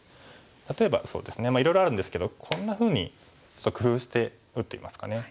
例えばそうですねいろいろあるんですけどこんなふうにちょっと工夫して打ってみますかね。